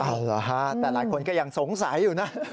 เอาเหรอฮะแต่หลายคนก็ยังสงสัยอยู่นะ